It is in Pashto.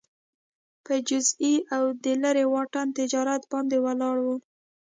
په جزیې او د لېرې واټن تجارت باندې ولاړه وه